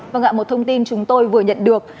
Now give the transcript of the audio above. vâng ạ một thông tin chúng tôi vừa nhận được